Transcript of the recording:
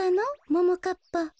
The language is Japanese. ももかっぱ。